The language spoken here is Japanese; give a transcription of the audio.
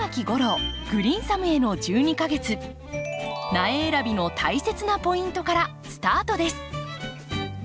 苗選びの大切なポイントからスタートです！